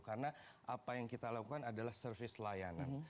karena apa yang kita lakukan adalah service layanan